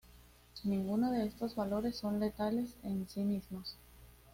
Ninguno de estos valores son letales en sí mismos.